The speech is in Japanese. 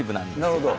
なるほど。